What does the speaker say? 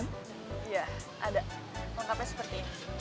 langkahnya seperti ini